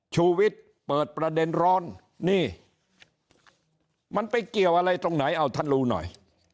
ชูวิทย์เปิดประเด็นร้อนนี่มันไปเกี่ยวอะไรตรงไหนเอาท่านรู้หน่อย